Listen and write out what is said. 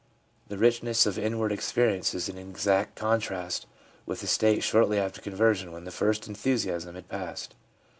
This richness of inward experience is in exact contrast with the state shortly after conversion when the first enthusiasm has passed.